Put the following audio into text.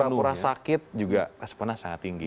di sidang pura pura sakit juga responnya sangat tinggi